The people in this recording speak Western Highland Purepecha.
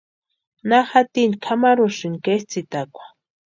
¿Na jatini kʼamarhusïni ketsʼïtakwa?